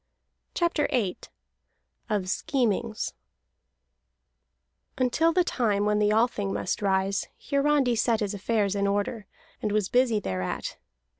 CHAPTER VIII OF SCHEMINGS Until the time when the Althing must rise, Hiarandi set his affairs in order, and was busy thereat.